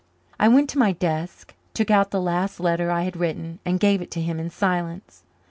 I went to my desk, took out the last letter I had written and gave it to him in silence.